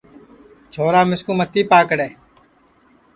چھورا مِسکُو متی پاکڑے